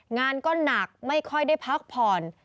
งานก็หนักไม่ค่อยได้พักผ่อน